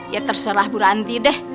ya terserah bu ranti deh